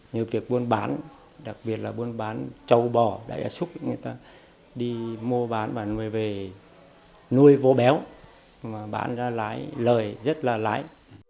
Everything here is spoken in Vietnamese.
như việc buôn bán đặc biệt là buôn bán trâu bò đại gia súc người ta đi mua bán và nuôi về nuôi vô béo mà bán ra lợi rất là lái